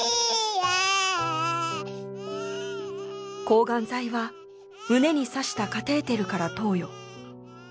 抗がん剤は胸にさしたカテーテルから投与。